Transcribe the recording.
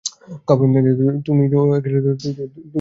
তুমি তোর কাজ করেছিস।